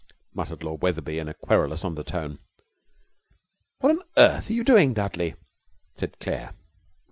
muttered Lord Wetherby in a querulous undertone. 'What on earth are you doing, Dudley?' said Claire.